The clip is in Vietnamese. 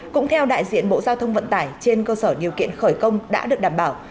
cũng theo đại diện bộ giao thông vận tải trên cơ sở điều kiện khởi công đã được đảm bảo